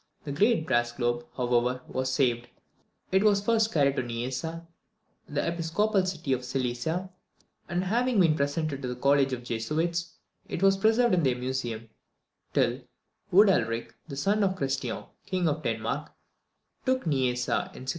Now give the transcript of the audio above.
The great brass globe, however, was saved. It was first carried to Niessa, the episcopal city of Silesia; and having been presented to the College of Jesuits, it was preserved in their museum, till Udalric, the son of Christian, King of Denmark, took Niessa in 1632.